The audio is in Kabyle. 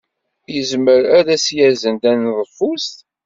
Yezmer ad as-yazen taneḍfust?